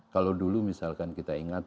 kalau dulu misalkan kita ingat